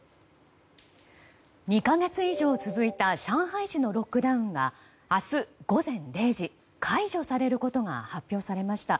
２か月以上続いた上海市のロックダウンが明日午前０時解除されることが発表されました。